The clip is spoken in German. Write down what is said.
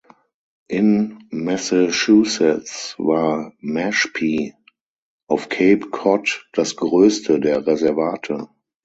In Massachusetts war Mashpee auf Cape Cod das größte der Reservate.